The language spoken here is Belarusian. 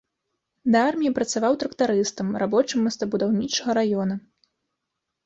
Да арміі працаваў трактарыстам, рабочым мостабудаўнічага раёна.